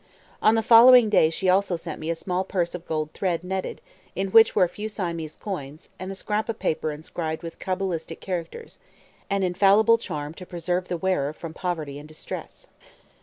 On the following day she also sent me a small purse of gold thread netted, in which were a few Siamese coins, and a scrap of paper inscribed with cabalistic characters, an infallible charm to preserve the wearer from poverty and distress.